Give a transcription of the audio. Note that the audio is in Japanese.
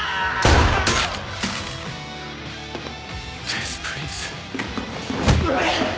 デス・プリンス⁉ハッ！